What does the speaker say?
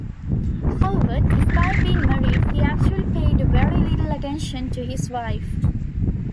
However, despite being married he actually paid very little attention to his wife.